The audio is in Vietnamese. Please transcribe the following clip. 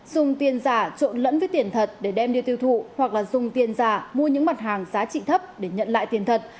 dùng tiền giả trộn lẫn với tiền thật để đem đi tiêu thụ hoặc là dùng tiền giả mua những mặt hàng giá trị thấp để nhận lại tiền thật